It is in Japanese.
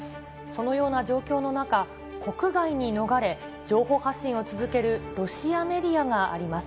そのような状況の中、国外に逃れ、情報発信を続けるロシアメディアがあります。